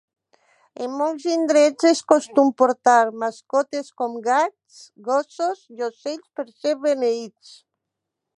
En molts indrets és costum portar mascotes com gats, gossos i ocells per ser beneïts.